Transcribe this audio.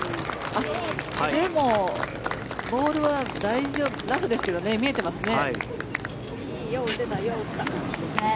でも、ボールは大丈夫ラフですけど見えてますね。